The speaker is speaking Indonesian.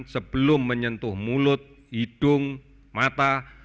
sebelum menyentuh mulut hidung mata